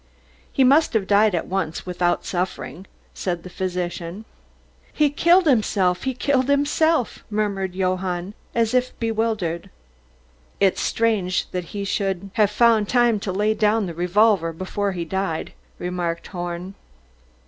"He must have died at once, without suffering," said the physician. "He killed himself he killed himself," murmured Johann, as if bewildered. "It's strange that he should have found time to lay down the revolver before he died," remarked Horn.